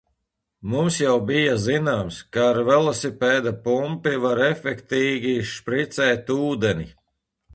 Mums jau bija zināms, ka ar velosipēda pumpi var efektīgi špricēt ūdeni.